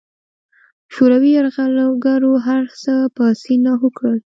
شوروي یرغلګرو هرڅه په سیند لاهو کړل.